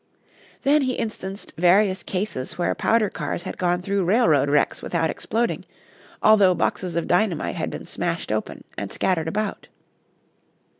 Then he instanced various cases where powder cars had gone through railroad wrecks without exploding, although boxes of dynamite had been smashed open and scattered about.